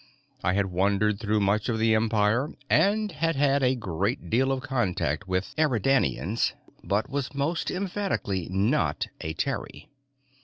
I had wandered through much of the Empire and had had a great deal of contact with Eridanians, but was most emphatically not a Terrie.